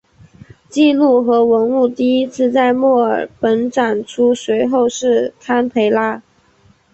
记录和文物第一次在墨尔本展出随后是堪培拉。